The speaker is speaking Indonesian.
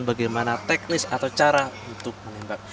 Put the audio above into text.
bagaimana teknis atau cara untuk menembak